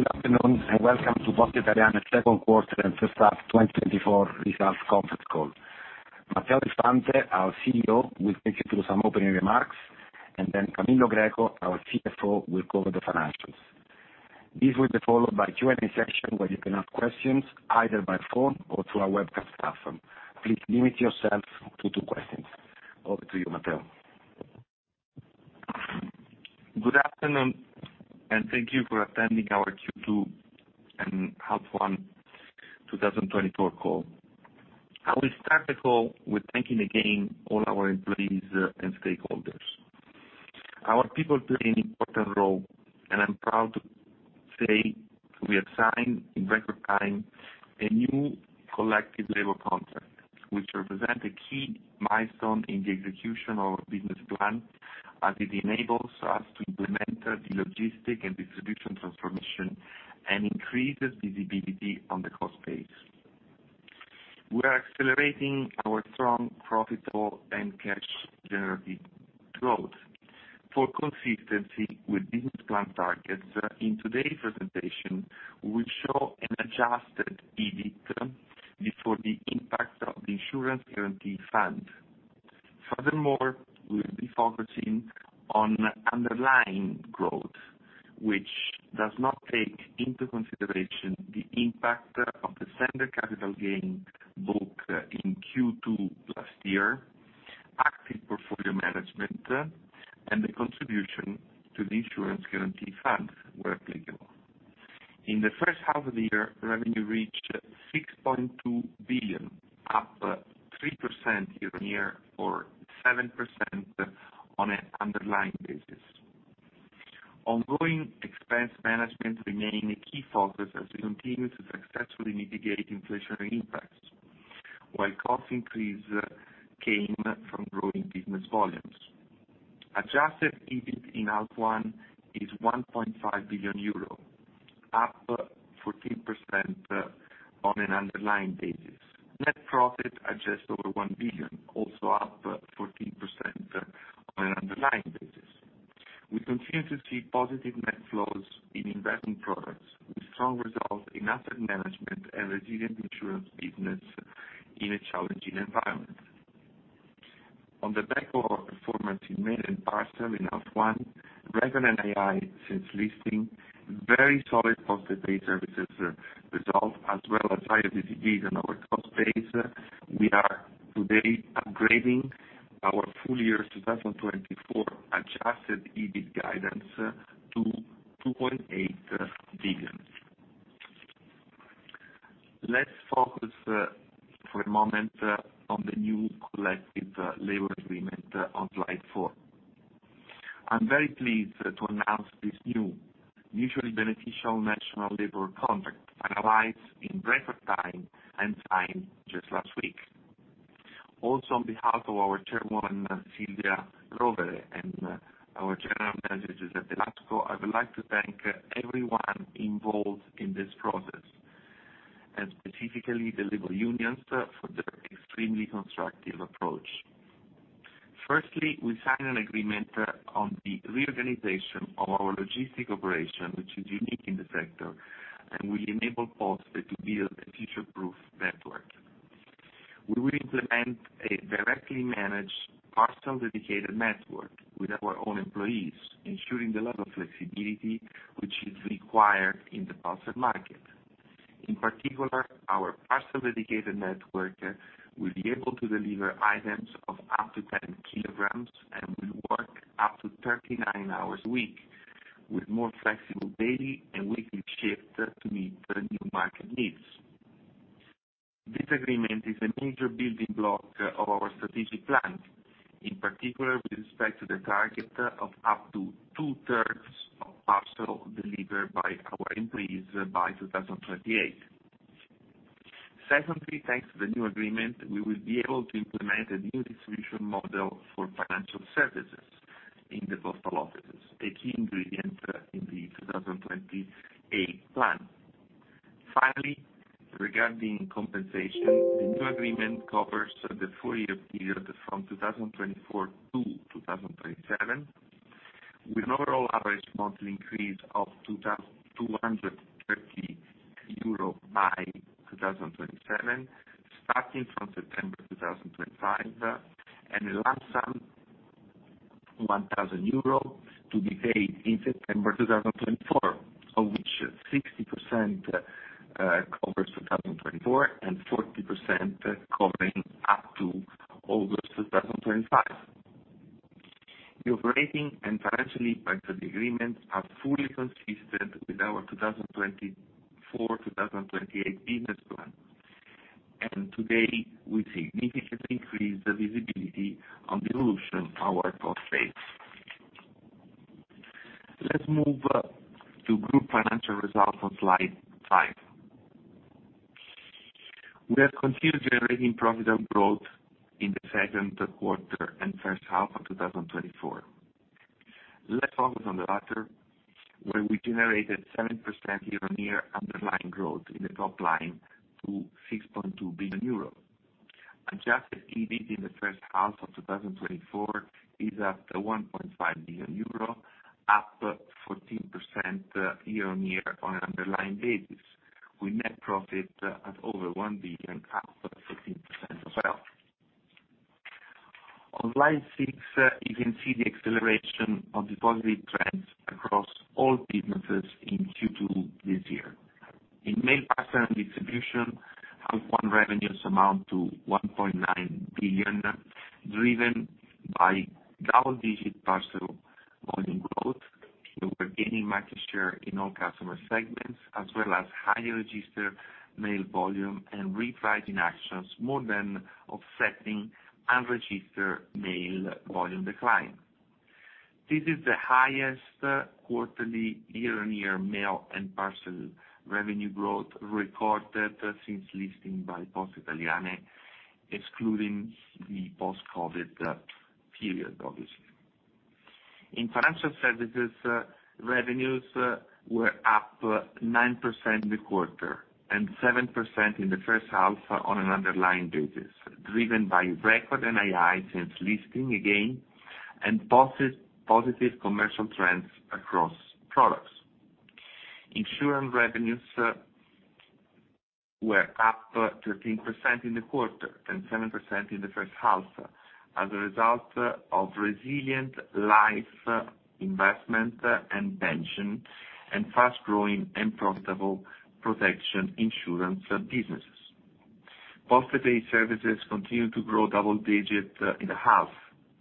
Good afternoon, and welcome to Poste Italiane second quarter and first half 2024 results conference call. Matteo Del Fante, our CEO, will take you through some opening remarks, and then Camillo Greco, our CFO, will go over the financials. This will be followed by Q&A session, where you can ask questions, either by phone or through our webcast platform. Please limit yourself to two questions. Over to you, Matteo. Good afternoon, and thank you for attending our Q2 and half 1, 2024 call. I will start the call with thanking again all our employees, and stakeholders. Our people play an important role, and I'm proud to say we have signed, in record time, a new collective labor contract, which represent a key milestone in the execution of our business plan, as it enables us to implement, the logistic and distribution transformation and increases visibility on the cost base. We are accelerating our strong, profitable, and cash-generative growth. For consistency with business plan targets, in today's presentation, we show an adjusted EBIT before the impact of the Insurance Guarantee Fund. Furthermore, we'll be focusing on underlying growth, which does not take into consideration the impact of the Sennder capital gain, both in Q2 last year, active portfolio management, and the contribution to the Insurance Guarantee Fund, where applicable. In the first half of the year, revenue reached 6.2 billion, up 3% year-on-year, or 7% on an underlying basis. Ongoing expense management remain a key focus as we continue to successfully mitigate inflationary impacts, while cost increase came from growing business volumes. Adjusted EBIT in half one is 1.5 billion euro, up 14% on an underlying basis. Net profit, adjust over 1 billion, also up 14% on an underlying basis. We continue to see positive net flows in investment products, with strong results in asset management and resilient insurance business in a challenging environment. On the back of our performance in mail and parcel in H1, resilient since listing, very solid PostePay services result, as well as high efficiencies on our cost base, we are today upgrading our full year 2024 adjusted EBIT guidance to 2.8 billion. Let's focus for a moment on the new collective labor agreement on slide four. I'm very pleased to announce this new mutually beneficial national labor contract, finalized in record time and signed just last week. Also, on behalf of our Chairwoman, Silvia Rovere, and our General Manager, Giuseppe Lasco, I would like to thank everyone involved in this process, and specifically the labor unions for their extremely constructive approach. Firstly, we signed an agreement on the reorganization of our logistic operation, which is unique in the sector, and will enable Poste to build a future-proof network. We will implement a directly managed, parcel-dedicated network with our own employees, ensuring the level of flexibility which is required in the parcel market. In particular, our parcel-dedicated network will be able to deliver items of up to 10 kilograms and will work up to 39 hours a week, with more flexible daily and weekly shifts to meet the new market needs. This agreement is a measure building block of our strategic plans, in particular with respect to the target of up to 2/3 of parcel delivered by our employees by 2028. Secondly, thanks to the new agreement, we will be able to implement a new distribution model for financial services in the postal offices, a key ingredient in the 2028 plan. Finally, regarding compensation, the new agreement covers the four-year period from 2024 to 2027, with an overall average monthly increase of 230 euros by 2027, starting from September 2025, and a lump sum 1,000 euro to be paid in September 2024, of which 60% covers 2024, and 40% covering up to August 2025. The operating and financial impacts of the agreement are fully consistent with our 2024/2028 business plan. Today, we significantly increase the visibility on the evolution of our growth base. Let's move to group financial results on slide 5. We have continued generating profitable growth in the second quarter and first half of 2024. Let's focus on the latter, where we generated 7% year-on-year underlying growth in the top line to 6.2 billion euros. Adjusted EBIT in the first half of 2024 is at 1.5 billion euro, up 14% year-on-year on an underlying basis, with net profit at over 1 billion, up 14% as well. On slide 6, you can see the acceleration of the positive trends across all businesses in Q2 this year. In Mail, Parcel & Distribution, H1 revenues amount to 1.9 billion, driven by double-digit parcel volume growth. We were gaining market share in all customer segments, as well as higher register mail volume and repricing actions, more than offsetting unregistered mail volume decline. This is the highest quarterly year-on-year mail and parcel revenue growth recorded since listing by Poste Italiane, excluding the post-COVID period, obviously. In financial services, revenues were up 9% in the quarter and 7% in the first half on an underlying basis, driven by record NII since listing again, and positive commercial trends across products. Insurance revenues were up 13% in the quarter and 7% in the first half, as a result of resilient life, investment, and pension, and fast growing and profitable protection insurance businesses. PostePay services continue to grow double digits in the half,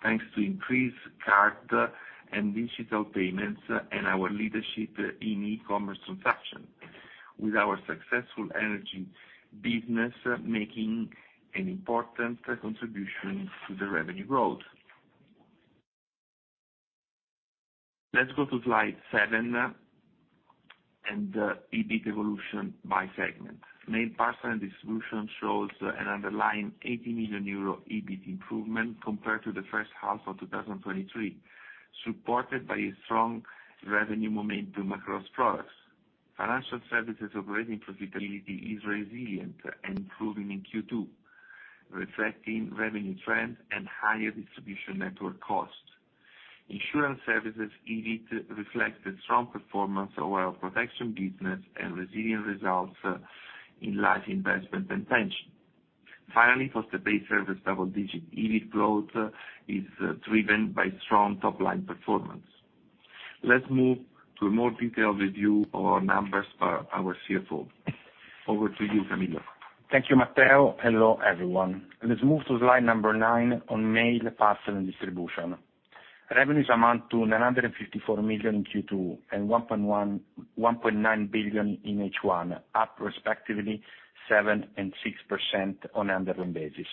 thanks to increased card and digital payments, and our leadership in e-commerce transaction, with our successful energy business making an important contribution to the revenue growth. Let's go to slide 7, and EBIT evolution by segment. Mail, parcel, and distribution shows an underlying 80 million euro EBIT improvement compared to the first half of 2023, supported by a strong revenue momentum across products. Financial services operating profitability is resilient and improving in Q2, reflecting revenue trends and higher distribution network costs. Insurance services EBIT reflects the strong performance of our protection business and resilient results in life investment and pension. Finally, PostePay service double-digit EBIT growth is driven by strong top line performance. Let's move to a more detailed review of our numbers by our CFO. Over to you, Camillo. Thank you, Matteo. Hello, everyone. Let's move to slide number 9 on mail, parcel, and distribution. Revenues amount to 954 million in Q2, and 1.9 billion in H1, up respectively 7% and 6% on underlying basis.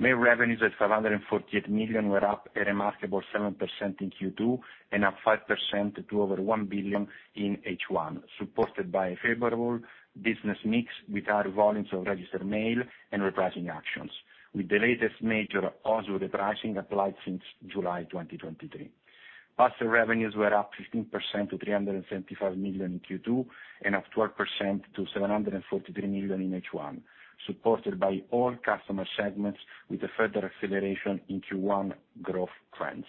Mail revenues at 548 million were up a remarkable 7% in Q2, and up 5% to over 1 billion in H1, supported by a favorable business mix with higher volumes of registered mail and repricing actions, with the latest major also repricing applied since July 2023. Parcel revenues were up 15% to 375 million in Q2, and up 12% to 743 million in H1, supported by all customer segments with a further acceleration in Q1 growth trends.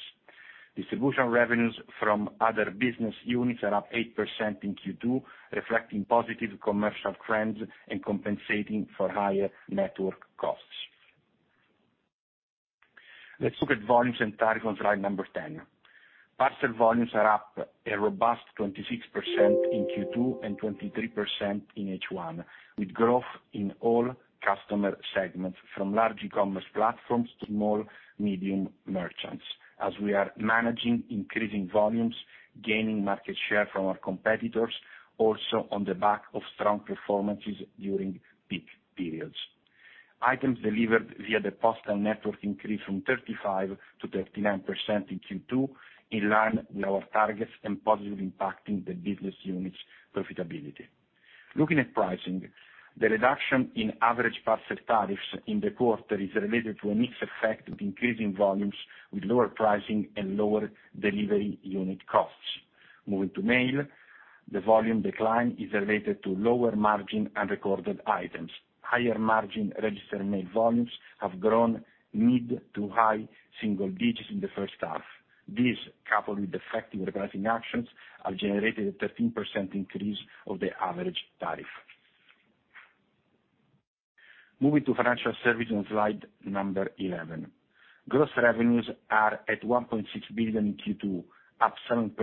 Distribution revenues from other business units are up 8% in Q2, reflecting positive commercial trends and compensating for higher network costs. Let's look at volumes and tariffs on slide 10. Parcel volumes are up a robust 26% in Q2, and 23% in H1, with growth in all customer segments, from large e-commerce platforms to small, medium merchants, as we are managing increasing volumes, gaining market share from our competitors, also on the back of strong performances during peak periods. Items delivered via the postal network increased from 35% to 39% in Q2, in line with our targets and positively impacting the business unit's profitability. Looking at pricing, the reduction in average parcel tariffs in the quarter is related to a mixed effect of increasing volumes with lower pricing and lower delivery unit costs. Moving to mail, the volume decline is related to lower margin unrecorded items. Higher margin registered mail volumes have grown mid- to high-single digits in the first half. This, coupled with effective repricing actions, have generated a 13% increase of the average tariff. Moving to financial services on slide number 11. Gross revenues are at 1.6 billion in Q2, up 7%,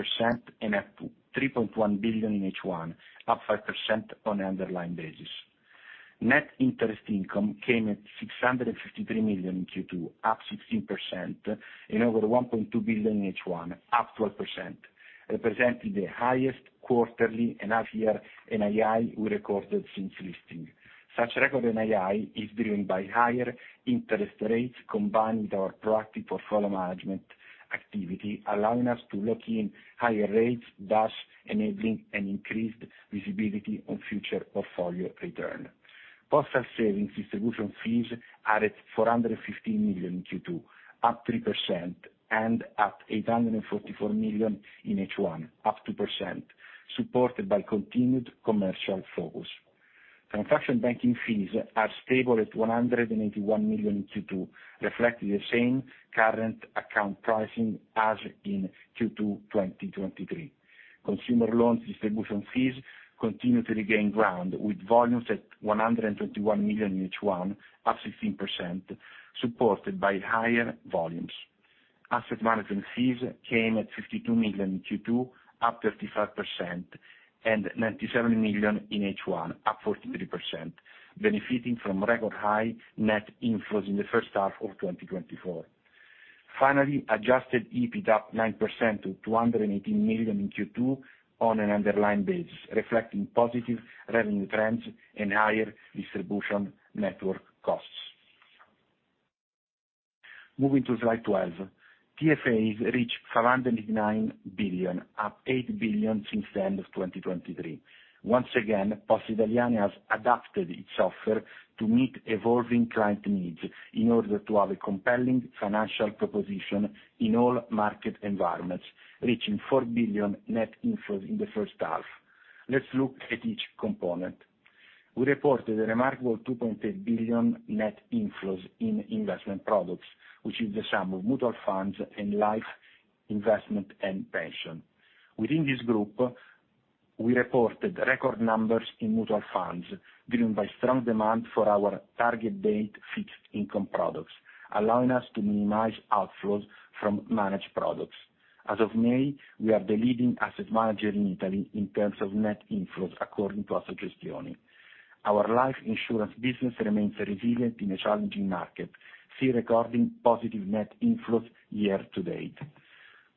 and up to 3.1 billion in H1, up 5% on an underlying basis. Net interest income came at 653 million in Q2, up 16%, and over 1.2 billion in H1, up 12%, representing the highest quarterly and half year NII we recorded since listing. Such record NII is driven by higher interest rates, combined with our proactive portfolio management activity, allowing us to lock in higher rates, thus enabling an increased visibility on future portfolio return. Postal savings distribution fees added 415 million in Q2, up 3%, and at 844 million in H1, up 2%, supported by continued commercial focus. Transaction banking fees are stable at 181 million in Q2, reflecting the same current account pricing as in Q2 2023. Consumer loans distribution fees continue to regain ground, with volumes at 121 million in H1, up 16%, supported by higher volumes. Asset management fees came at 52 million in Q2, up 35%, and 97 million in H1, up 43%, benefiting from record high net inflows in the first half of 2024. Finally, adjusted EBIT up 9% to 218 million in Q2 on an underlying base, reflecting positive revenue trends and higher distribution network costs. Moving to slide 12. TFAs reached 589 billion, up 8 billion since the end of 2023. Once again, Poste Italiane has adapted its offer to meet evolving client needs in order to have a compelling financial proposition in all market environments, reaching 4 billion net inflows in the first half. Let's look at each component. We reported a remarkable 2.8 billion net inflows in investment products, which is the sum of mutual funds and life investment and pension. Within this group, we reported record numbers in mutual funds, driven by strong demand for our target date fixed income products, allowing us to minimize outflows from managed products. As of May, we are the leading asset manager in Italy in terms of net inflows, according to Assogestioni. Our life insurance business remains resilient in a challenging market, still recording positive net inflows year to date.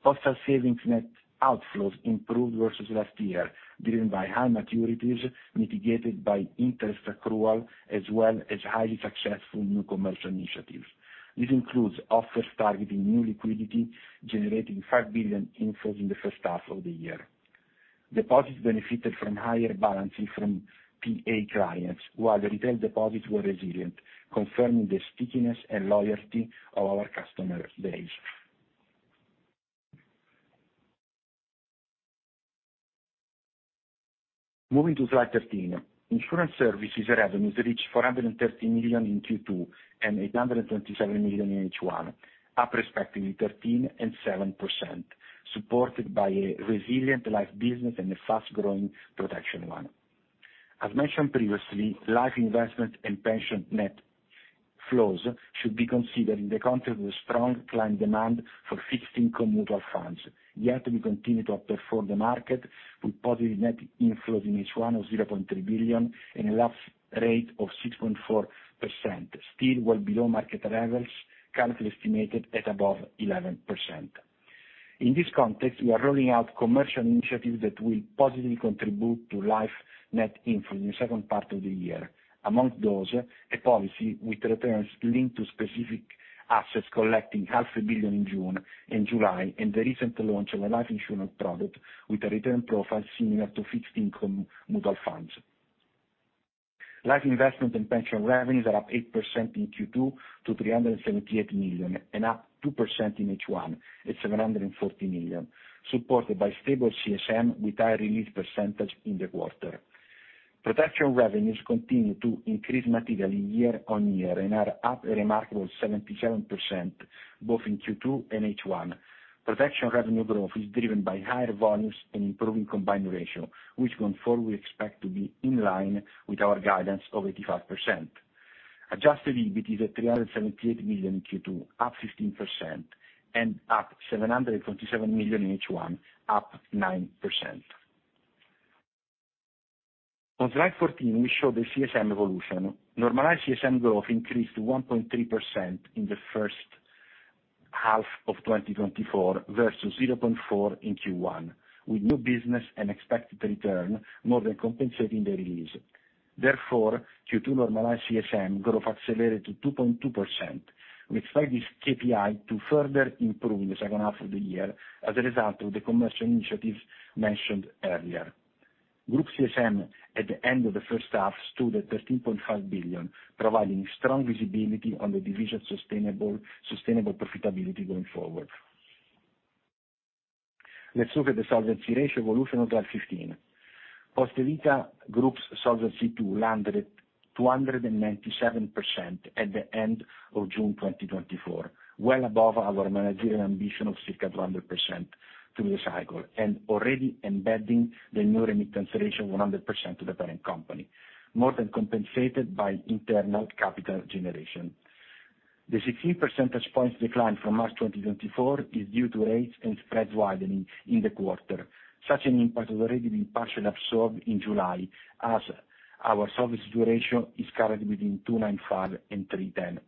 Postal savings net outflows improved versus last year, driven by high maturities, mitigated by interest accrual, as well as highly successful new commercial initiatives. This includes offers targeting new liquidity, generating 5 billion inflows in the first half of the year. Deposits benefited from higher balancing from PA clients, while retail deposits were resilient, confirming the stickiness and loyalty of our customer base. Moving to slide 13. Insurance services revenues reached 413 million in Q2, and 827 million in H1, up respectively 13% and 7%, supported by a resilient life business and a fast-growing protection one. As mentioned previously, life investment and pension net flows should be considered in the context of a strong client demand for fixed income mutual funds. Yet we continue to outperform the market with positive net inflows in H1 of 0.3 billion and a lapse rate of 6.4%, still well below market levels, currently estimated at above 11%. In this context, we are rolling out commercial initiatives that will positively contribute to life net inflows in the second part of the year. Among those, a policy with returns linked to specific assets, collecting 0.5 billion in June and July, and the recent launch of a life insurance product with a return profile similar to fixed income mutual funds. Life investment and pension revenues are up 8% in Q2 to 378 million, and up 2% in H1 at 740 million, supported by stable CSM with higher release percentage in the quarter. Protection revenues continue to increase materially year on year and are up a remarkable 77%, both in Q2 and H1. Protection revenue growth is driven by higher volumes and improving combined ratio, which going forward we expect to be in line with our guidance of 85%. Adjusted EBIT is at 378 million in Q2, up 15%, and at 727 million in H1, up 9%. On slide 14, we show the CSM evolution. Normalized CSM growth increased 1.3% in the first half of 2024 versus 0.4% in Q1, with new business and expected return more than compensating the release. Therefore, Q2 normalized CSM growth accelerated to 2.2%. We expect this KPI to further improve in the second half of the year as a result of the commercial initiatives mentioned earlier. Group CSM at the end of the first half stood at 13.5 billion, providing strong visibility on the division sustainable profitability going forward. Let's look at the solvency ratio evolution on slide 15. Poste Vita Group's solvency 297% at the end of June 2024, well above our managerial ambition of circa 200% through the cycle, and already embedding the new remittance ratio 100% to the parent company, more than compensated by internal capital generation. The 16 percentage points decline from March 2024 is due to rates and spreads widening in the quarter. Such an impact has already been partially absorbed in July, as our solvency ratio is currently between 295 and 310%.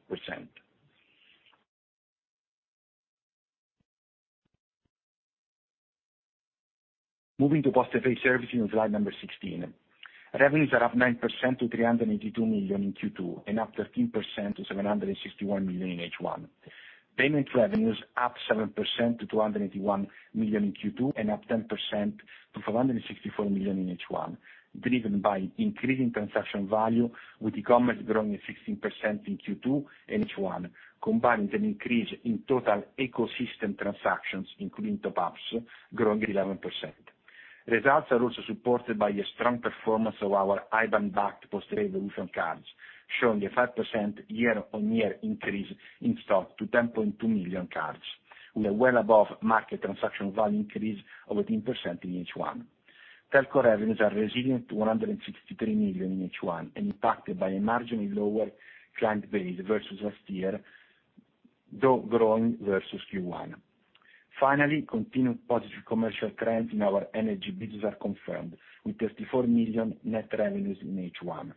Moving to PostePay services on slide number 16. Revenues are up 9% to 382 million in Q2, and up 13% to 761 million in H1. Payments revenues up 7% to 281 million in Q2, and up 10% to 464 million in H1, driven by increasing transaction value, with e-commerce growing 16% in Q2 and H1, combined with an increase in total ecosystem transactions, including top-ups, growing 11%. Results are also supported by the strong performance of our IBAN-backed PostePay Evolution cards, showing a 5% year-on-year increase in stock to 10.2 million cards, with a well above market transaction value increase of 18% in H1. Telco revenues are resilient to 163 million in H1, and impacted by a marginally lower client base versus last year, though growing versus Q1. Finally, continued positive commercial trends in our energy business are confirmed, with 34 million net revenues in H1.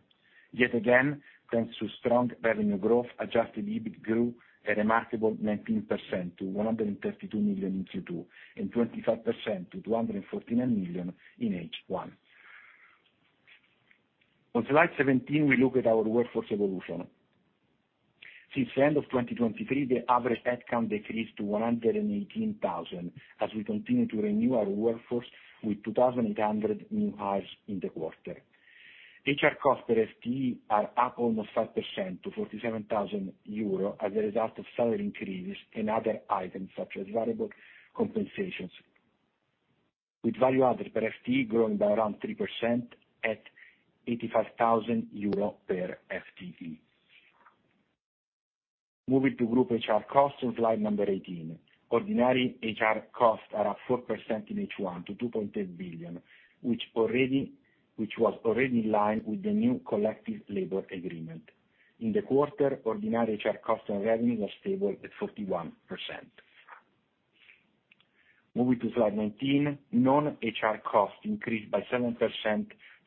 Yet again, thanks to strong revenue growth, adjusted EBIT grew a remarkable 19% to 132 million in Q2, and 25% to 214 million in H1. On slide 17, we look at our workforce evolution. Since the end of 2023, the average headcount decreased to 118,000, as we continue to renew our workforce with 2,800 new hires in the quarter. HR cost per FTE are up almost 5% to 47,000 euro as a result of salary increases and other items, such as variable compensations, with value added per FTE growing by around 3% at 85,000 euro per FTE. Moving to group HR costs on slide number 18. Ordinary HR costs are up 4% in H1 to 2.8 billion, which already, which was already in line with the new collective labor agreement. In the quarter, ordinary HR cost and revenue were stable at 41%. Moving to slide 19, non-HR costs increased by 7%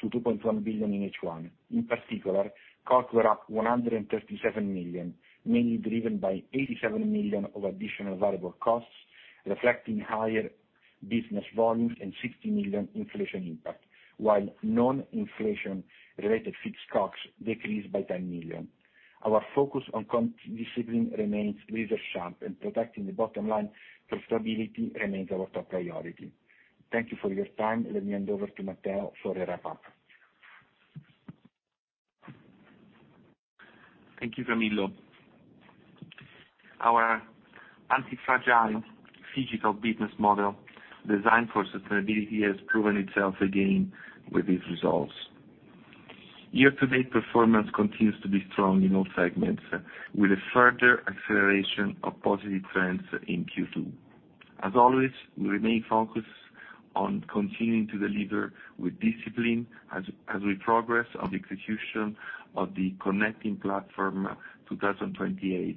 to 2.1 billion in H1. In particular, costs were up 137 million, mainly driven by 87 million of additional variable costs, reflecting higher business volumes and 60 million inflation impact, while non-inflation related fixed costs decreased by 10 million. Our focus on cost discipline remains razor sharp, and protecting the bottom line for stability remains our top priority. Thank you for your time. Let me hand over to Matteo for the wrap-up. Thank you, Camillo. Our anti-fragile physical business model, designed for sustainability, has proven itself again with these results. Year-to-date performance continues to be strong in all segments, with a further acceleration of positive trends in Q2. As always, we remain focused on continuing to deliver with discipline, as we progress on the execution of the Connecting Platform 2028 business plan. We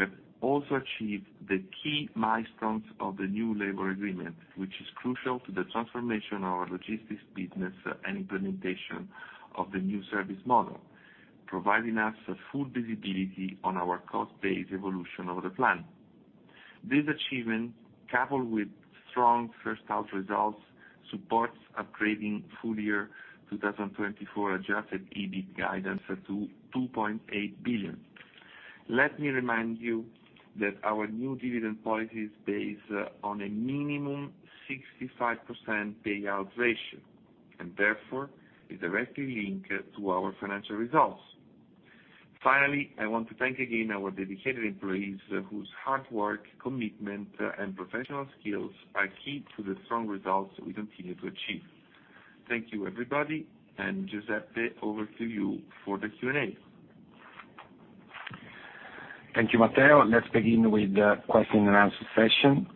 have also achieved the key milestones of the new labor agreement, which is crucial to the transformation of our logistics business and implementation of the new service model, providing us a full visibility on our cost base evolution over the plan. This achievement, coupled with strong first half results, supports upgrading full year 2024 adjusted EBIT guidance to 2.8 billion. Let me remind you that our new dividend policy is based on a minimum 65% payout ratio, and therefore is directly linked to our financial results. Finally, I want to thank again our dedicated employees, whose hard work, commitment, and professional skills are key to the strong results we continue to achieve. Thank you, everybody, and Giuseppe, over to you for the Q&A. Thank you, Matteo. Let's begin with the question and answer session.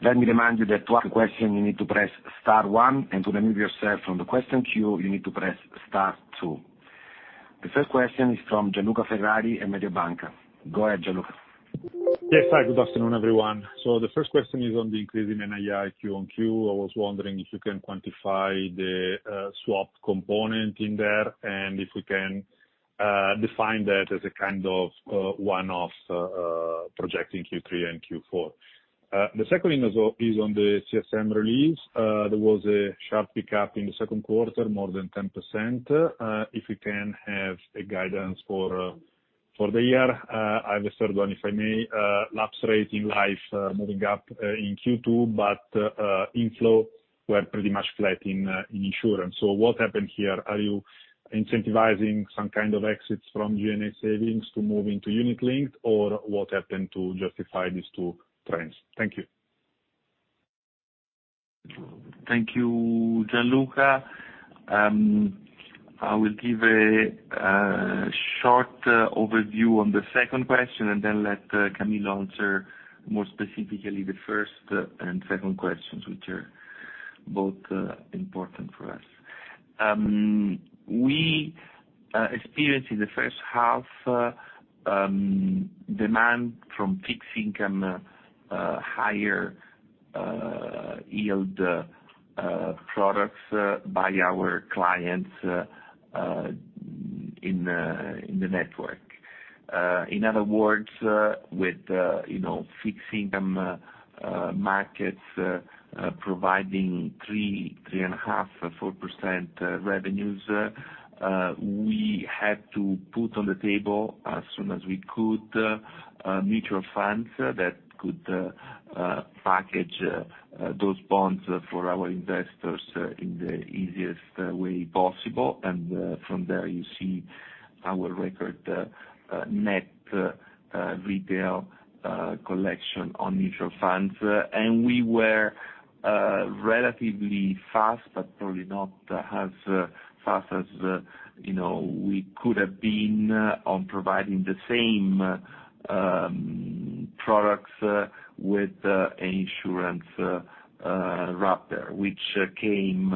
Let me remind you that to ask a question, you need to press star one, and to remove yourself from the question queue, you need to press star two. The first question is from Gianluca Ferrari at Mediobanca. Go ahead, Gianluca. Yes. Hi, good afternoon, everyone. So the first question is on the increase in NII Q-on-Q. I was wondering if you can quantify the swap component in there, and if we can define that as a kind of one-off projecting Q3 and Q4. The second thing is on the CSM release. There was a sharp pickup in the second quarter, more than 10%, if we can have a guidance for the year. I have a third one, if I may, lapse rate in life moving up in Q2, but inflow were pretty much flat in insurance. So what happened here? Are you incentivizing some kind of exits from GNA savings to move into unit linked, or what happened to justify these two trends? Thank you. Thank you, Gianluca. I will give a short overview on the second question and then let Camillo answer more specifically the first and second questions, which are both important for us. We experienced in the first half demand from fixed income higher yield products by our clients in the network. In other words, with you know fixed income markets providing 3, 3.5, 4% revenues we had to put on the table as soon as we could mutual funds that could package those bonds for our investors in the easiest way possible. And from there, our record net retail collection on mutual funds. And we were relatively fast, but probably not as fast as, you know, we could have been, on providing the same products with insurance wrapper, which came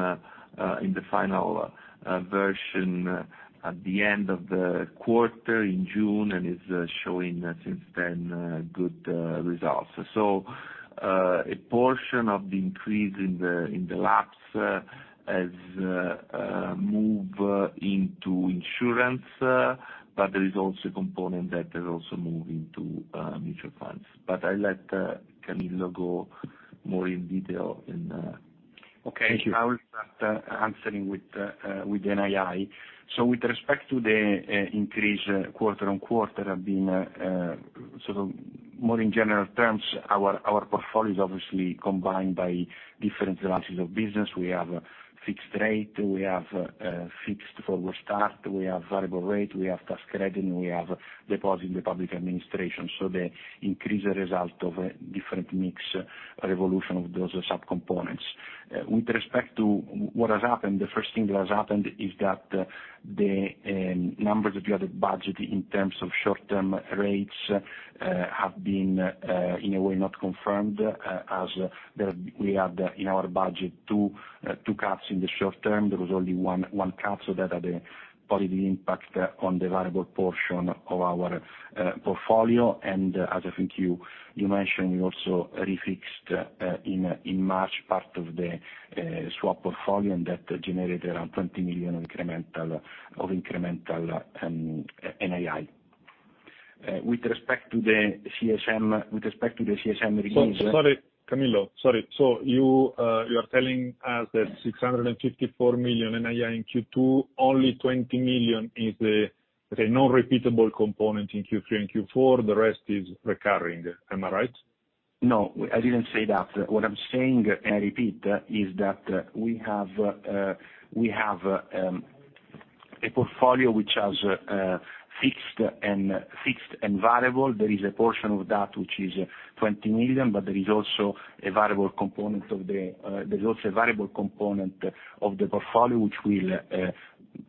in the final version at the end of the quarter in June, and is showing since then good results. So, a portion of the increase in the lapse has move into insurance, but there is also a component that is also moving to mutual funds. But I'll let Camillo go more in detail in- Okay. Thank you. I will start answering with, with NII. So with respect to the, increase quarter-on-quarter, have been, sort of more in general terms, our, our portfolio is obviously combined by different branches of business. We have fixed rate, we have, fixed for start, we have variable rate, we have tax credit, and we have deposit in the public administration. So the increase is a result of a different mix evolution of those subcomponents. With respect to what has happened, the first thing that has happened is that the, numbers that we had budgeted in terms of short-term rates, have been, in a way, not confirmed, as there we had in our budget 2, 2 cuts in the short term. There was only 1, 1 cut, so that had a positive impact on the variable portion of our, portfolio. And as I think you mentioned, we also re-fixed in March part of the swap portfolio, and that generated around 20 million of incremental NII. With respect to the CSM release- So sorry, Camillo. Sorry. So you are telling us that 654 million NII in Q2, only 20 million is a non-repeatable component in Q3 and Q4, the rest is recurring. Am I right? No, I didn't say that. What I'm saying, I repeat, is that we have, we have, a portfolio which has, fixed and, fixed and variable. There is a portion of that which is 20 million, but there is also a variable component of the, there's also a variable component of the portfolio, which will,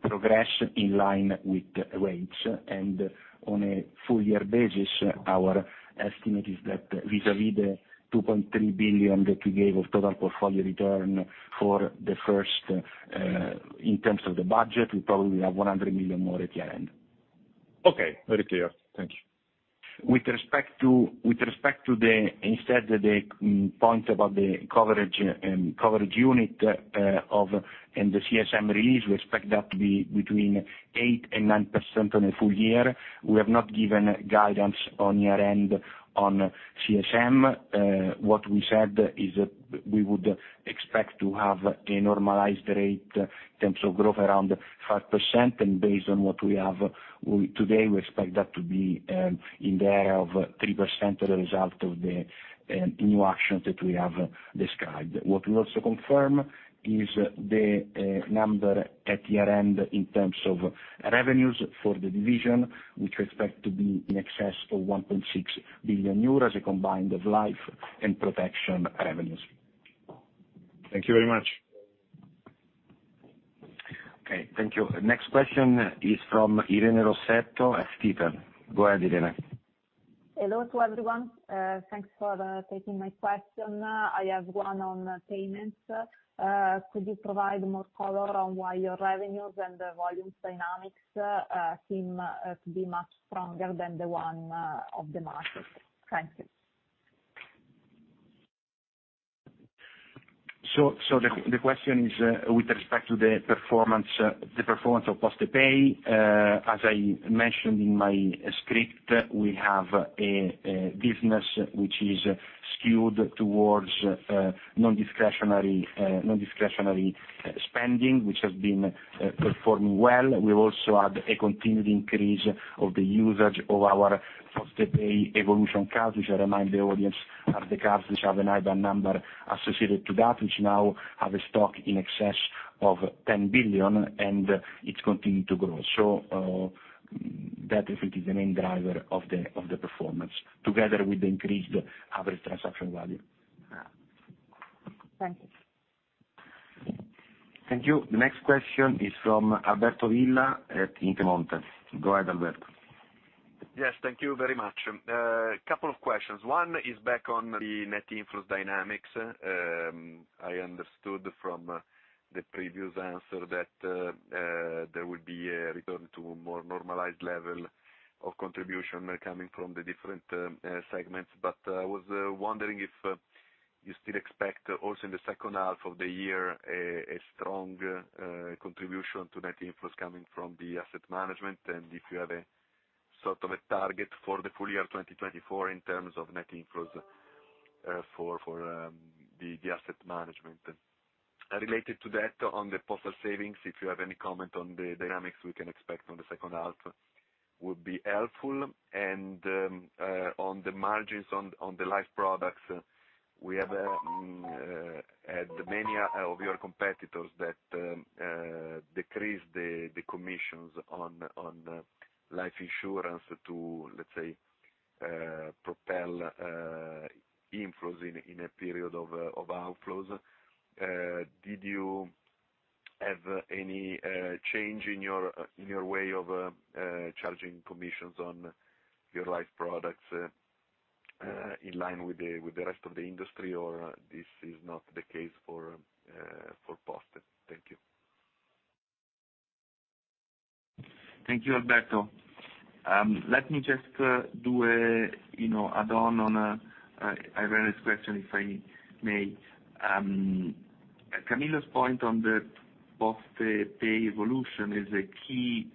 progress in line with the rates. And on a full year basis, our estimate is that vis-à-vis the 2.3 billion that we gave of total portfolio return for the first, in terms of the budget, we probably have 100 million more at year-end. Okay, very clear. Thank you. With respect to the point about the coverage unit and the CSM release, we expect that to be between 8% and 9% on a full year. We have not given guidance on year-end on CSM. What we said is that we would expect to have a normalized rate in terms of growth, around 5%. And based on what we have today, we expect that to be in the area of 3% as a result of the new actions that we have described. What we also confirm is the number at year-end in terms of revenues for the division, which we expect to be in excess of 1.6 billion euros as a combined of life and protection revenues. Thank you very much. Okay, thank you. Next question is from Irene Rossetto at Jefferies. Go ahead, Irene. Hello to everyone. Thanks for taking my question. I have one on payments. Could you provide more color on why your revenues and the volumes dynamics seem to be much stronger than the one of the market? Thank you. So, the question is, with respect to the performance, the performance of PostePay, as I mentioned in my script, we have a business which is skewed towards non-discretionary spending, which has been performing well. We've also had a continued increase of the usage of our PostePay Evolution cards, which I remind the audience, are the cards which have an IBAN number associated to that, which now have a stock in excess of 10 billion, and it's continuing to grow. So, that effect is the main driver of the performance, together with the increased average transaction value. Thank you. Thank you. The next question is from Alberto Villa at Intermonte. Go ahead, Alberto. Yes, thank you very much. A couple of questions. One is back on the net inflows dynamics. I understood from the previous answer that there would be a return to a more normalized level of contribution coming from the different segments. But I was wondering if you still expect also in the second half of the year a strong contribution to net inflows coming from the asset management, and if you have sort of a target for the full year 2024 in terms of net inflows for the asset management. Related to that, on the postal savings, if you have any comment on the dynamics we can expect on the second half? will be helpful, and on the margins on the life products, we have many of your competitors that decrease the commissions on life insurance to, let's say, propel inflows in a period of outflows. Did you have any change in your way of charging commissions on your life products in line with the rest of the industry, or this is not the case for Post? Thank you. Thank you, Alberto. Let me just, you know, do an add-on on Irene's question, if I may. Camillo's point on the PostePay Evolution is a key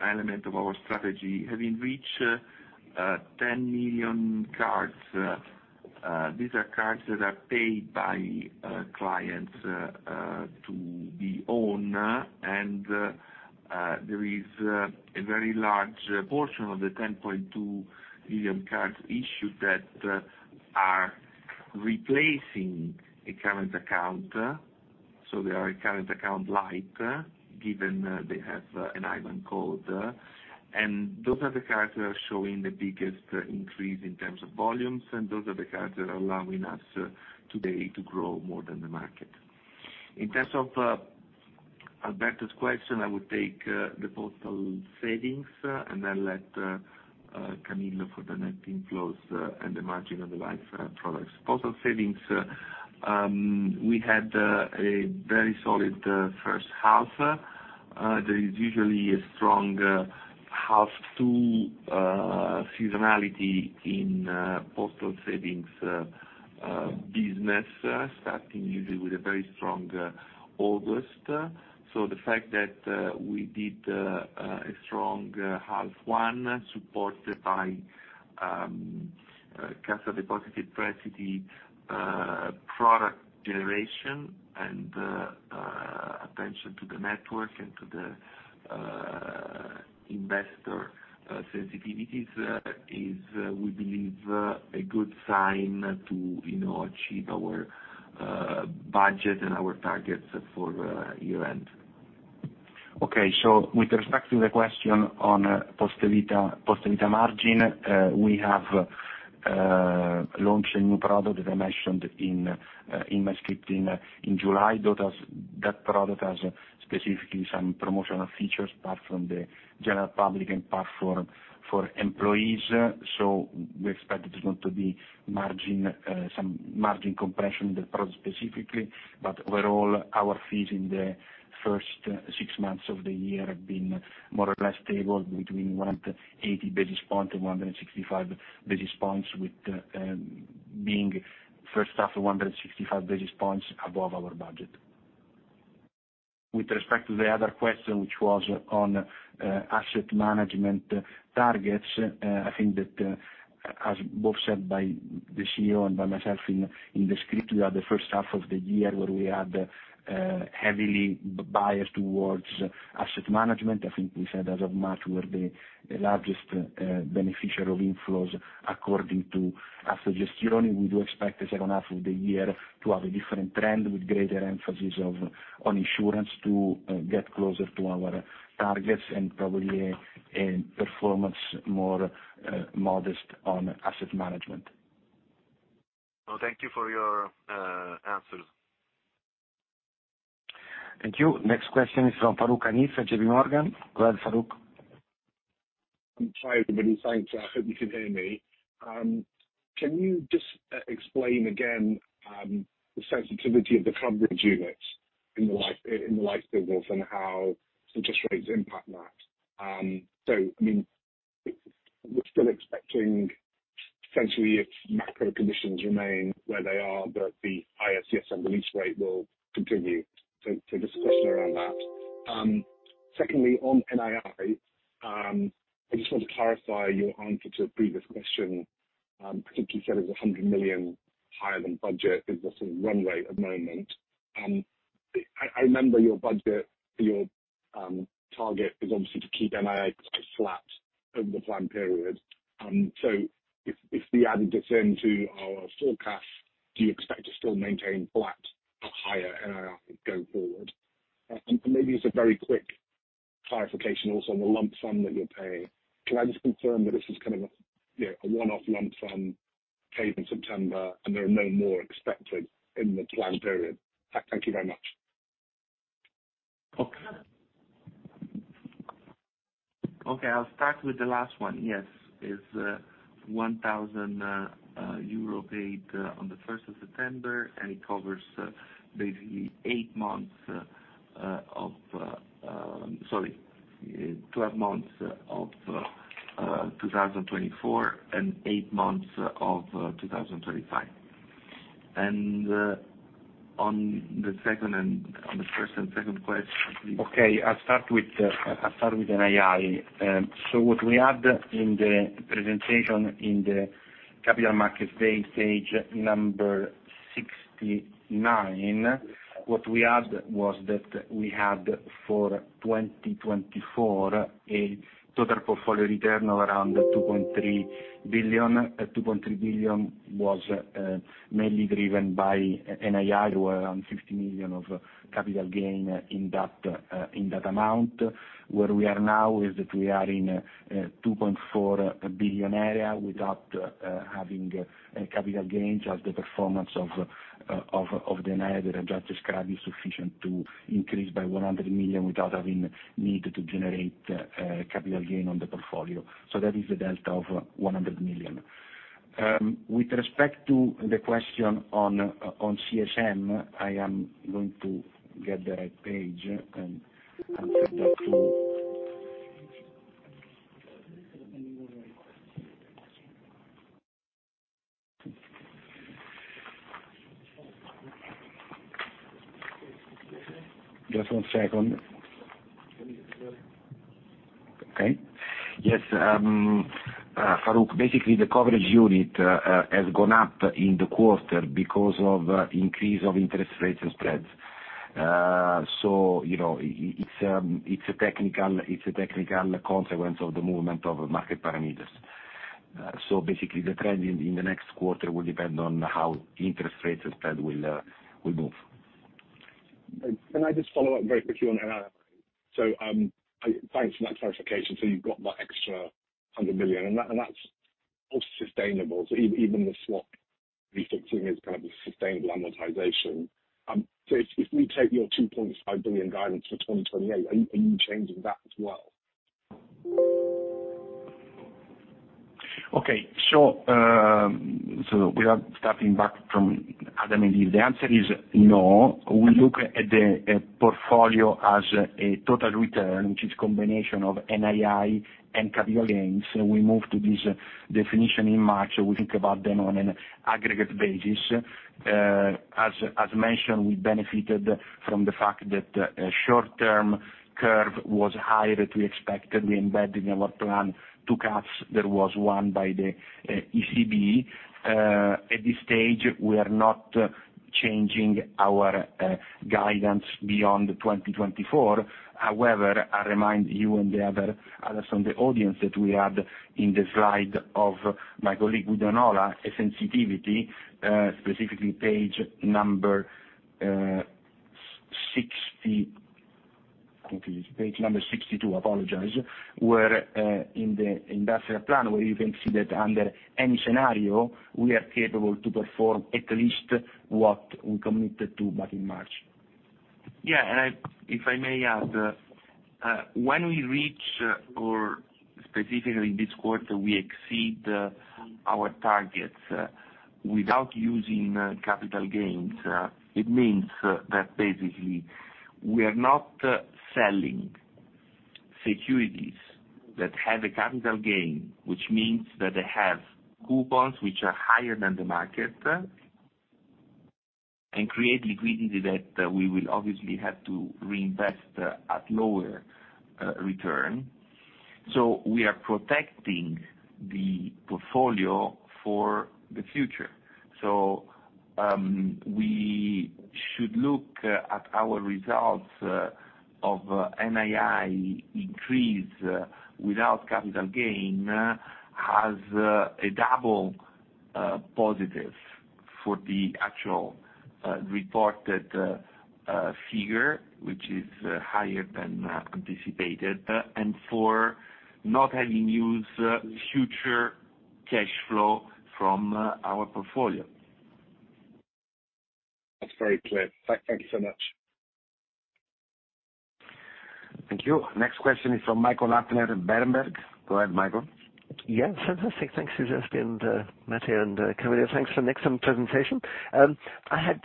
element of our strategy. Having reached 10 million cards, these are cards that are paid by clients to be owned, and there is a very large portion of the 10.2 million cards issued that are replacing a current account. So they are a current account light, given they have an IBAN code, and those are the cards that are showing the biggest increase in terms of volumes, and those are the cards that are allowing us today to grow more than the market. In terms of Alberto's question, I would take the postal savings and then let Camillo for the net inflows and the margin on the life products. Postal savings, we had a very solid first half. There is usually a strong H2 seasonality in postal savings business, starting usually with a very strong August. So the fact that we did a strong H1, supported by Cassa Depositi e Prestiti product generation and attention to the network and to the investor sensitivities, is, we believe, a good sign to, you know, achieve our budget and our targets for year-end. Okay, so with respect to the question on Poste Vita, Poste Vita margin, we have launched a new product, as I mentioned in my script in July. That product has specifically some promotional features, apart from the general public and part for employees. So we expect it is going to be margin, some margin compression in the product specifically. But overall, our fees in the first six months of the year have been more or less stable between 180 basis points and 165 basis points, with being first half of 165 basis points above our budget. With respect to the other question, which was on asset management targets, I think that, as both said, by the CEO and by myself in the script, we are the first half of the year where we had heavily biased towards asset management. I think we said as of March, we are the largest beneficiary of inflows, according to our suggestion. We do expect the second half of the year to have a different trend, with greater emphasis on insurance, to get closer to our targets and probably a performance more modest on asset management. Well, thank you for your answers. Thank you. Next question is from Farooq Anis at JPMorgan. Go ahead, Farooq. Hi, everybody. Thanks. I hope you can hear me. Can you just explain again the sensitivity of the coverage units in the life business and how interest rates impact that? So, I mean, we're still expecting, essentially, if macro conditions remain where they are, that the CSM and release rate will continue. So just a question around that. Secondly, on NII, I just want to clarify your answer to a previous question. I think you said it was 100 million higher than budget. Is this a run rate at the moment? I remember your budget, your target is obviously to keep NII quite flat over the plan period. So if we added this into our forecast, do you expect to still maintain flat or higher NII going forward? Maybe just a very quick clarification also on the lump sum that you're paying. Can I just confirm that this is kind of a, you know, a one-off lump sum paid in September, and there are no more expected in the plan period? Thank you very much. Okay. Okay, I'll start with the last one. Yes, it's 1,000 euro paid on the first of September, and it covers basically 8 months... Sorry, 12 months of 2024, and 8 months of 2025... and on the second and on the first and second question, please. Okay, I'll start with NII. So what we had in the presentation in the capital market day, page number 69, what we had was that we had for 2024, a total portfolio return of around 2.3 billion. Two point three billion was mainly driven by NII, where around 50 million of capital gain in that amount. Where we are now, is that we are in two point four billion area without having capital gains. As the performance of the NII that I just described, is sufficient to increase by 100 million without having need to generate capital gain on the portfolio. So that is a delta of 100 million. With respect to the question on, on CSM, I am going to get the right page and answer that, too. Just one second. Okay. Yes, Farooq, basically, the coverage unit has gone up in the quarter because of increase of interest rates and spreads. So, you know, it's a technical consequence of the movement of market parameters. So basically, the trend in the next quarter will depend on how interest rates and spread will move. Can I just follow up very quickly on NII? So, thanks for that clarification. So you've got that extra 100 million, and that, and that's also sustainable. So even, even the swap refixing is kind of a sustainable amortization. So if, if we take your 2.5 billion guidance for 2028, are you, are you changing that as well? Okay. So, so without starting back from Adam and Eve, the answer is no. We look at the portfolio as a total return, which is combination of NII and capital gains. We moved to this definition in March, so we think about them on an aggregate basis. As mentioned, we benefited from the fact that short-term curve was higher than we expected. We embedded in our plan two cuts. There was one by the ECB. At this stage, we are not changing our guidance beyond 2024. However, I remind you and the other others from the audience, that we had in the slide of my colleague, Guido Nola, a sensitivity, specifically page number sixty- I think it is page number 62, apologize. Where, in the industrial plan, where you can see that under any scenario, we are capable to perform at least what we committed to back in March. Yeah, and if I may add, when we reach, or specifically in this quarter, we exceed our targets without using capital gains, it means that basically we are not selling securities that have a capital gain. Which means that they have coupons which are higher than the market, and create liquidity, that we will obviously have to reinvest at lower return. So, we should look at our results of NII increase without capital gain has a double positive for the actual reported figure, which is higher than anticipated, and for not having used future cash flow from our portfolio. That's very clear. Thank you so much. Thank you. Next question is from Michael Huttner at Berenberg. Go ahead, Michael. Yeah. Fantastic. Thanks, Giuseppe and, Matteo and, Camillo. Thanks for an excellent presentation. I had,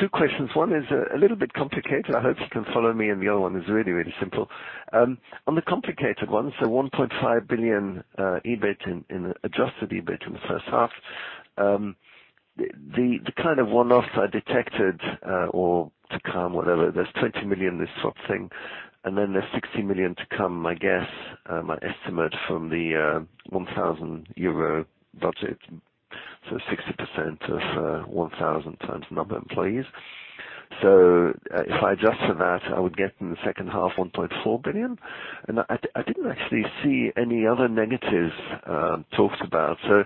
two questions. One is, a little bit complicated. I hope you can follow me, and the other one is really, really simple. On the complicated one, so 1.5 billion EBIT in adjusted EBIT in the first half. The, the kind of one-offs I detected, or to come, whatever, there's 20 million, this sort thing, and then there's 60 million to come, I guess, my estimate from the, 1,000 euro budget. So 60% of, 1,000 times number of employees. So if I adjust for that, I would get in the second half, 1.4 billion. I didn't actually see any other negatives talked about, so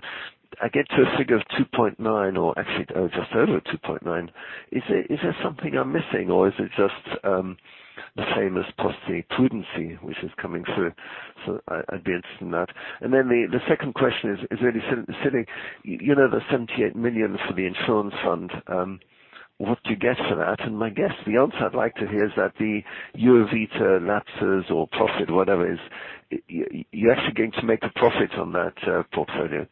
I get to a figure of 2.9 or actually just over 2.9. Is there something I'm missing or is it just the same as policy prudence, which is coming through? So I'd be interested in that. And then the second question is really simply sitting. You know, the 78 million for the insurance fund, what do you get for that? And my guess, the answer I'd like to hear, is that the Eurovita lapses or profit, whatever, you're actually going to make a profit on that portfolio.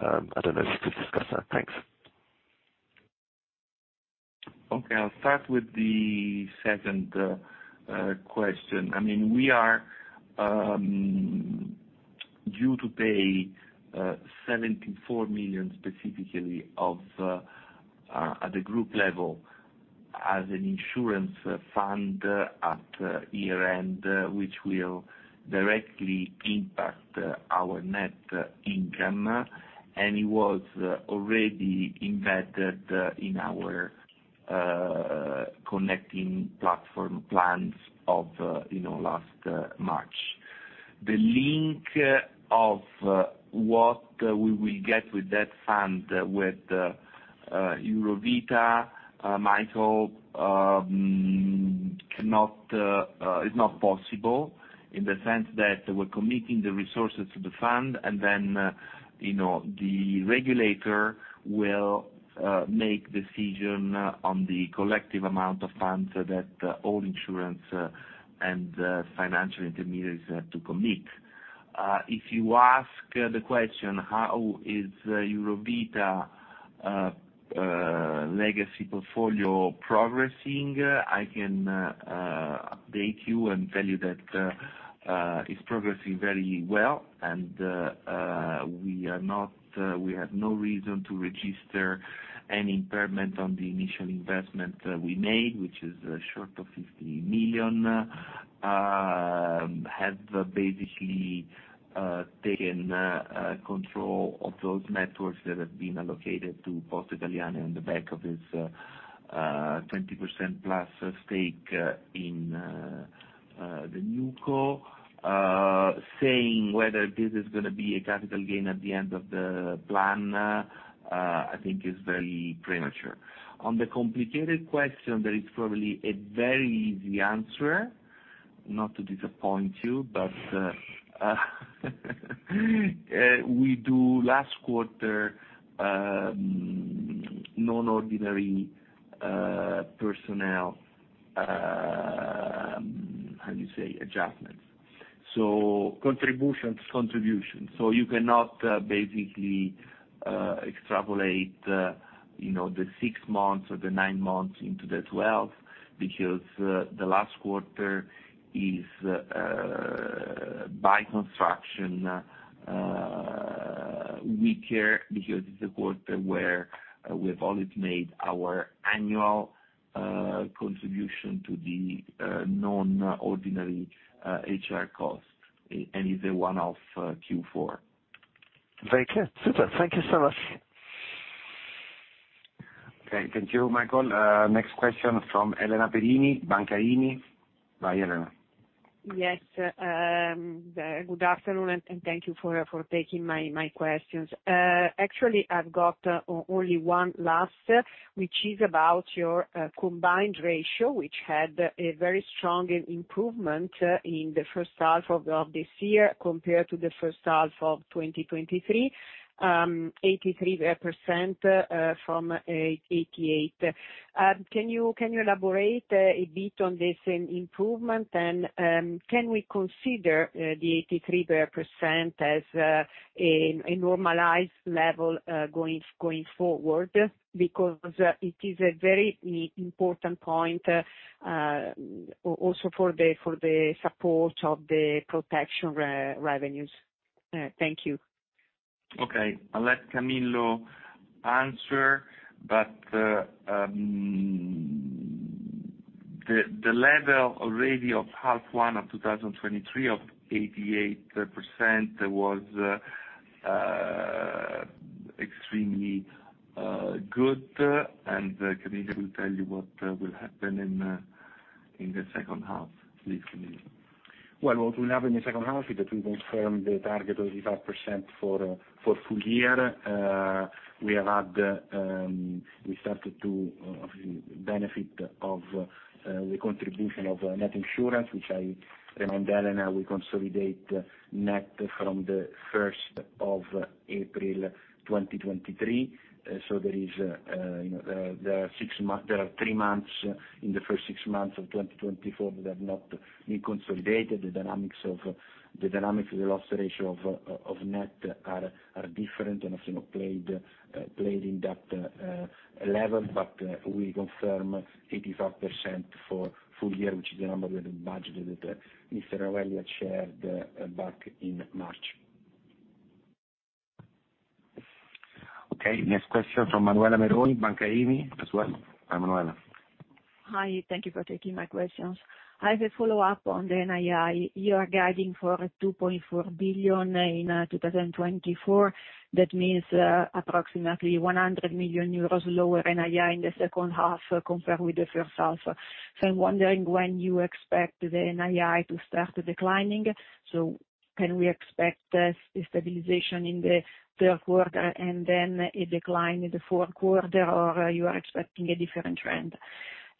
I don't know if you could discuss that. Thanks. Okay, I'll start with the second question. I mean, we are due to pay 74 million specifically of at the group level as an insurance fund at year-end, which will directly impact our net income, and it was already embedded in our connecting platform plans of, you know, last March. The link of what we will get with that fund with Eurovita, Michael, cannot is not possible, in the sense that we're committing the resources to the fund, and then, you know, the regulator will make decision on the collective amount of funds that all insurance and financial intermediaries have to commit. If you ask the question, how is Eurovita legacy portfolio progressing? I can update you and tell you that it's progressing very well, and we have no reason to register any impairment on the initial investment we made, which is short of 50 million. Have basically taken control of those networks that have been allocated to Poste Italiane on the back of this 20%+ stake in the new co. Saying whether this is gonna be a capital gain at the end of the plan, I think is very premature. On the complicated question, there is probably a very easy answer, not to disappoint you, but we do last quarter non-ordinary personnel how you say adjustments, so contributions, contributions. So you cannot basically extrapolate, you know, the six months or the nine months into the twelve, because the last quarter is by construction weaker, because it's a quarter where we've always made our annual contribution to the non-ordinary HR cost, and is a one-off Q4. Very clear. Super. Thank you so much. Okay. Thank you, Michael. Next question from Elena Perini, Banca IMI. Hi, Elena. Yes. Good afternoon, and thank you for taking my questions. Actually, I've got only one last, which is about your combined ratio, which had a very strong improvement in the first half of this year, compared to the first half of 2023. 83%, from 88. Can you elaborate a bit on this improvement and can we consider the 83% as a normalized level going forward? Because it is a very important point also for the support of the protection revenues. Thank you. Okay. I'll let Camillo answer, but the level already of half one of 2023 of 88% was extremely good. And Camillo will tell you what will happen in the second half. Please, Camillo. Well, what will happen in the second half is that we confirm the target of 85% for full year. We have had, we started to benefit of the contribution of Net Insurance, which I remind Elena, we consolidate Net from the first of April 2023. So there is, you know, there are six month- there are three months in the first six months of 2024 that have not been consolidated. The dynamics of, the dynamics of the loss ratio of Net are different, and, you know, played, played in that level. But we confirm 85% for full year, which is the number that the budget that Mr. Novelli shared back in March. Okay. Next question from Manuela Meroni, Banca IMI as well. Hi, Manuela. Hi, thank you for taking my questions. I have a follow-up on the NII. You are guiding for 2.4 billion in 2024. That means, approximately 100 million euros lower NII in the second half compared with the first half. So I'm wondering when you expect the NII to start declining. So can we expect, a stabilization in the third quarter and then a decline in the fourth quarter, or are you are expecting a different trend?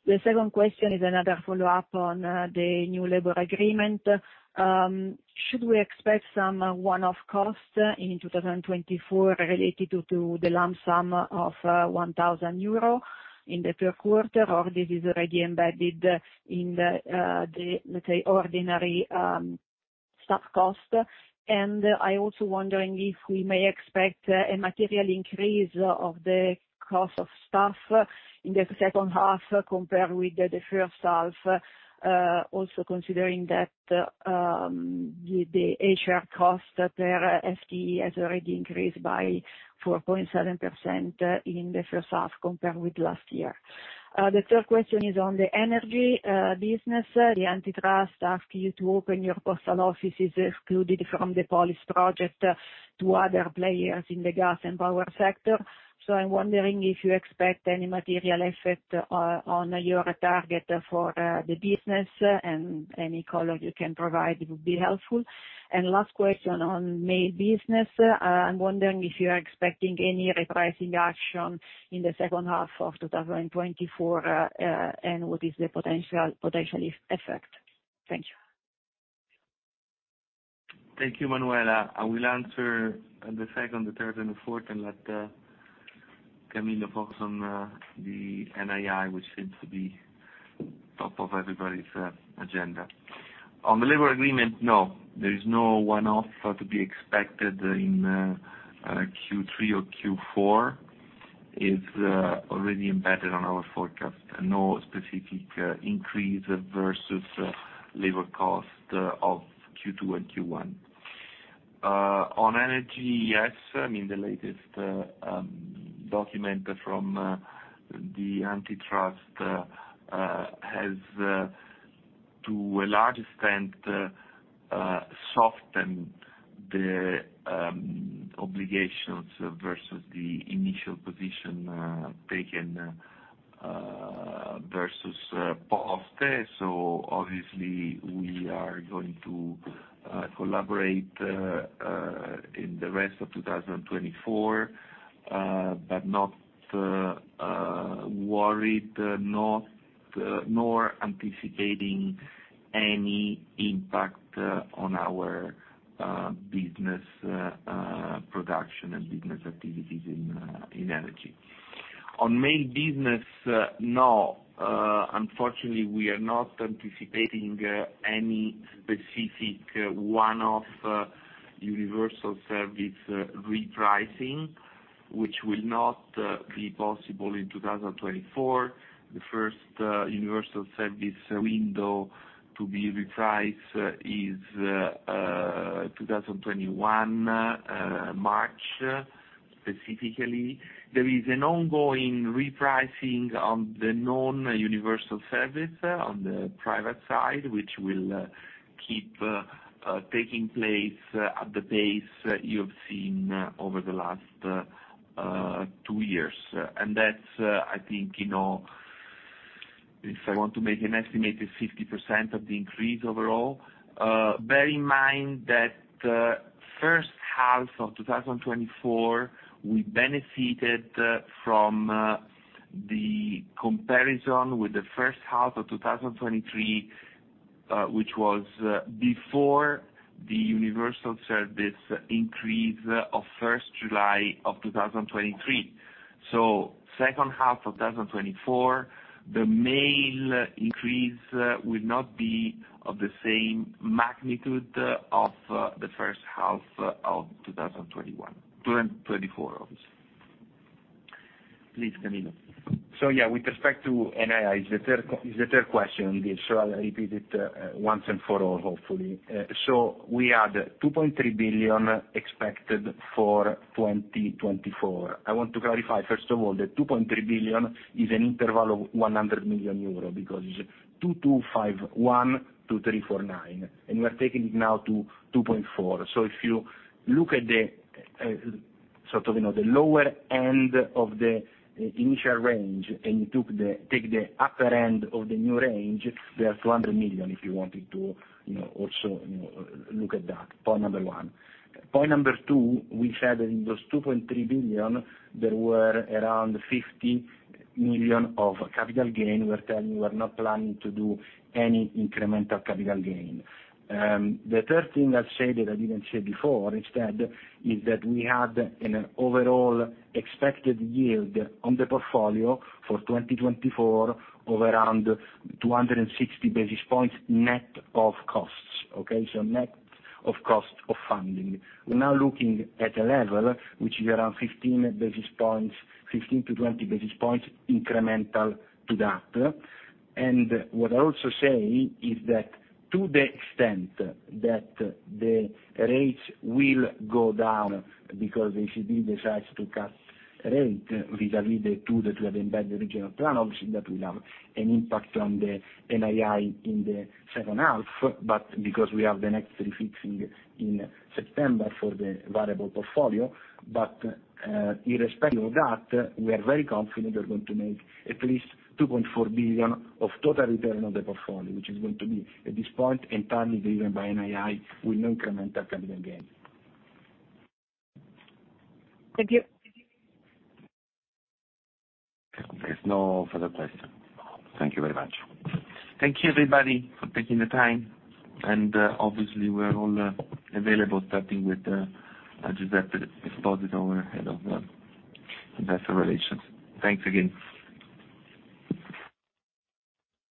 The second question is another follow-up on, the new labor agreement. Should we expect some one-off costs in 2024 related to, to the lump sum of, 1,000 euro in the third quarter, or this is already embedded in the, the, let's say, ordinary, costs?... Staff cost, and I also wondering if we may expect a material increase of the cost of staff in the second half, compared with the first half, also considering that the HR cost per FTE has already increased by 4.7% in the first half, compared with last year. The third question is on the energy business. The antitrust ask you to open your postal offices excluded from the Polis Project to other players in the gas and power sector. So I'm wondering if you expect any material effect on your target for the business, and any color you can provide it would be helpful. Last question on mail business, I'm wondering if you are expecting any repricing action in the second half of 2024, and what is the potential, potentially effect? Thank you. Thank you, Manuela. I will answer the second, the third, and the fourth, and let Camillo focus on the NII, which seems to be top of everybody's agenda. On the labor agreement, no, there is no one-off to be expected in Q3 or Q4. It's already embedded on our forecast, no specific increase versus labor cost of Q2 and Q1. On energy, yes, I mean, the latest document from the antitrust has to a large extent softened the obligations versus the initial position taken versus Poste. So obviously, we are going to collaborate in the rest of 2024, but not worried nor anticipating any impact on our business production and business activities in energy. On Mail business, no, unfortunately, we are not anticipating any specific one-off universal service repricing, which will not be possible in 2024. The first universal service window to be repriced is March 2021, specifically. There is an ongoing repricing on the non-universal service on the private side, which will keep taking place at the pace you've seen over the last two years. That's, I think, you know, if I want to make an estimate, is 50% of the increase overall. Bear in mind that first half of 2024, we benefited from the comparison with the first half of 2023, which was before the Universal Service increase of 1 July 2023. So second half of 2024, the Mail increase will not be of the same magnitude of the first half of 2021--2024, obviously. Please, Camillo. So yeah, with respect to NII, it's the third, it's the third question, this, so I'll repeat it once and for all, hopefully. So we had 2.3 billion expected for 2024. I want to clarify, first of all, the 2.3 billion is an interval of 100 million euro, because it's 2.251-2.349, and we are taking it now to 2.4. So if you look at the sort of, you know, the lower end of the initial range, and you took the-- take the upper end of the new range, there are 200 million, if you wanted to, you know, also, you know, look at that. Point number one. Point number two, we said that in those 2.3 billion, there were around 50 million of capital gain. We're telling you, we're not planning to do any incremental capital gain. The third thing I'll say, that I didn't say before, instead, is that we had an overall expected yield on the portfolio for 2024 of around 260 basis points, net of costs, okay? So net of cost of funding. We're now looking at a level which is around 15 basis points, 15-20 basis points incremental to that. And what I'm also saying is that to the extent that the rates will go down, because ECB decides to cut rate, vis-a-vis the two that we have embedded in the general plan, obviously, that will have an impact on the NII in the second half. But because we have the next refixing in September for the variable portfolio. But, irrespective of that, we are very confident we are going to make at least 2.4 billion of total return on the portfolio, which is going to be, at this point, entirely driven by NII with no incremental capital gain. Thank you. There's no further question. Thank you very much. Thank you, everybody, for taking the time, and, obviously, we're all available, starting with Giuseppe Esposito, our Head of Investor Relations. Thanks again.